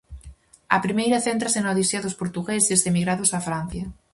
A primeira céntrase na odisea dos portugueses emigrados a Francia.